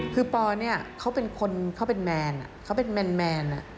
คือปอเนี่ยเขาเป็นคนเขาเป็นแมนเขาเป็นแมน